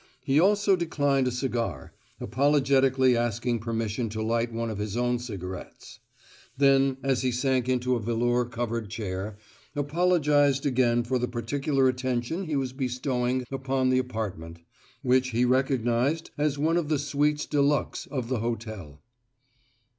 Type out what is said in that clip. He also declined a cigar, apologetically asking permission to light one of his own cigarettes; then, as he sank into a velour covered chair, apologized again for the particular attention he was bestowing upon the apartment, which he recognized as one of the suites de luxe of the hotel.